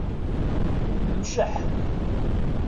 Mceḥ.